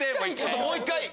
もう一回！